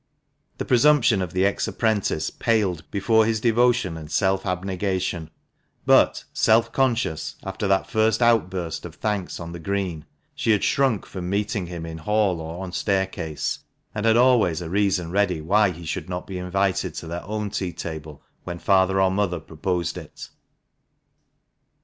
The presumption of the ex apprentice paled before his devotion and self abnegation, but, self conscious, after that first outburst of thanks on the Green, she had shrunk from meeting him in hall or on staircase, and had always a reason ready why he should not be invited to their own tea table when father or mother proposed it.